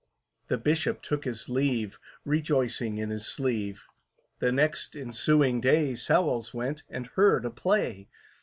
The Bishop took his leave, Rejoicing in his sleeve. The next ensuing day SOWLS went and heard a play.